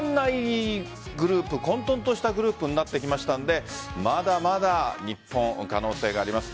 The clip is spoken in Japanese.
グループＥ、混沌としたグループになってきましたのでまだまだ日本、可能性があります。